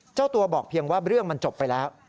เจ้าตัวบอกเพียงว่าเรื่องมันจบไปแล้ว